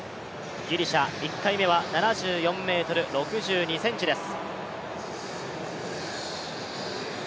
ギリシャ、１回目は７４ｍ６２ｃｍです。